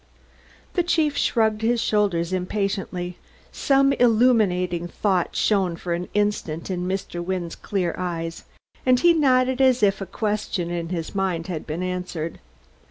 The chief shrugged his shoulders impatiently. Some illuminating thought shone for an instant in Mr. Wynne's clear eyes and he nodded as if a question in his mind had been answered.